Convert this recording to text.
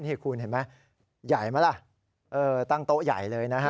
เห็นไหมใหญ่มาล่ะเออตั้งโต๊ะใหญ่เลยนะฮะ